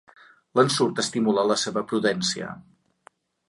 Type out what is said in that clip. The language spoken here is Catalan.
L'ensurt estimula la seva prudència.